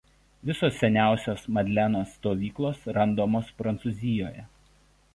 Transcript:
Visos seniausios Madleno stovyklos randamos Prancūzijoje.